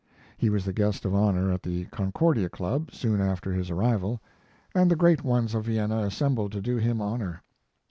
He was the guest of honor at the Concordia Club soon after his arrival, and the great ones of Vienna assembled to do him honor.